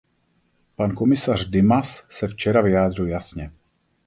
Pan komisař Dimas se včera vyjádřil jasně.